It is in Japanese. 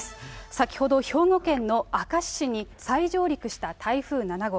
先ほど、兵庫県の明石市に、再上陸した台風７号。